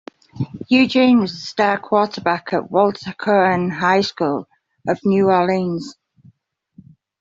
Eugene was a star quarterback at Walter Cohen High School of New Orleans.